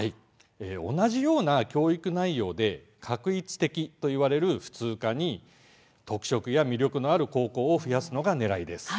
同じような教育内容で画一的と呼ばれる普通科に特色や魅力のある高校を増やすのがねらいです。